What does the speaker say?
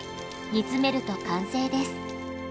煮詰めると完成です。